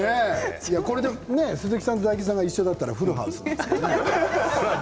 これで鈴木さんと大吉さんもだったらフルハウスですよね。